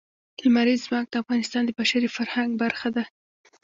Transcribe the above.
لمریز ځواک د افغانستان د بشري فرهنګ برخه ده.